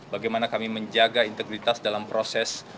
bagaimana kami menjaga integritas dalam proses